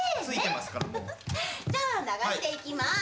じゃあ流していきます。